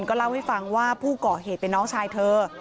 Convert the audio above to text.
ก็เล่าให้ฟังว่าผู้ก่อเหตุเป็นน้องชายเธอ